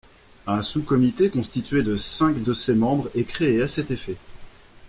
Un sous-comité constitué de cinq de ses membres est créé à cet effet.